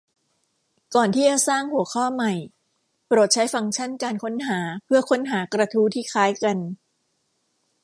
ก่อนที่จะสร้างหัวข้อใหม่โปรดใช้ฟังก์ชั่นการค้นหาเพื่อค้นหากระทู้ที่คล้ายกัน